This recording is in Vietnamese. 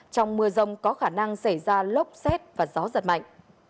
trong mưa rông có khả năng xảy ra lốc xoáy